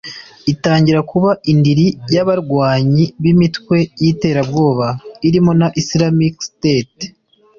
itangira kuba indiri y’abarwanyi b’imitwe y’iterabwoba irimo na Islamic State